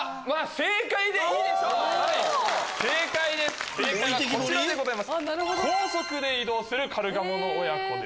正解はこちらでございます。